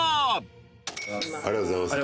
ありがとうございます。